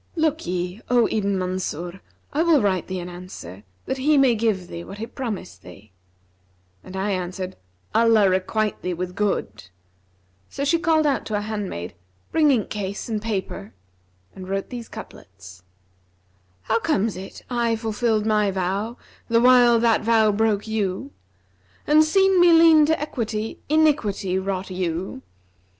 'Look'ye, O Ibn Mansur, I will write thee an answer, that he may give thee what he promised thee.' And I answered, 'Allah requite thee with good!' So she called out to a handmaid, 'Bring inkcase and paper,' and wrote these couplets, 'How comes it I fulfilled my vow the while that vow broke you? * And, seen me lean to equity, iniquity wrought you?